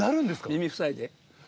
耳塞いで。